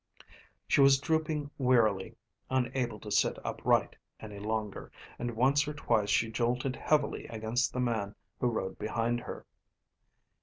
She was drooping wearily, unable to sit upright any longer, and once or twice she jolted heavily against the man who rode behind her.